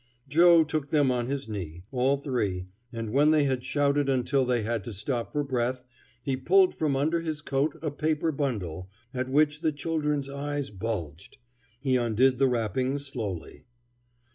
Joe took them on his knee, all three, and when they had shouted until they had to stop for breath, he pulled from under his coat a paper bundle, at which the children's eyes bulged. He undid the wrapping slowly.